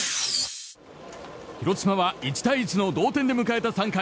広島は１対１の同点で迎えた３回。